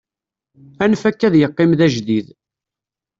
anef akka ad yeqqim d ajdid